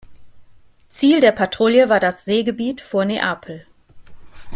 Ziel der Patrouille war das Seegebiet vor Neapel.